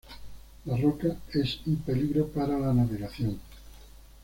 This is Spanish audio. La roca es un peligro para la navegación.